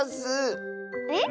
えっ？